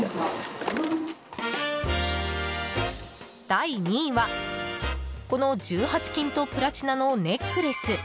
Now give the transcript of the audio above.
第２位は、この１８金とプラチナのネックレス。